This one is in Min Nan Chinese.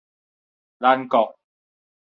咱國